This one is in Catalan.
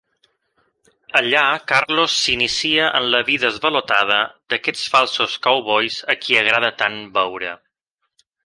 Allà Carlos s'inicia en la vida esvalotada d'aquests falsos cowboys a qui agrada tant beure.